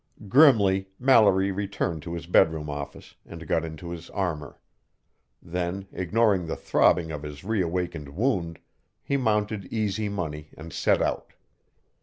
Grimly, Mallory returned to his bedroom office and got into his armor; then, ignoring the throbbing of his reawakened wound, he mounted Easy Money and set out.